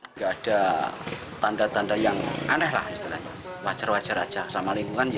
nggak ada tanda tanda yang aneh lah istilahnya wajar wajar aja sama lingkungan